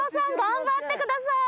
頑張ってください。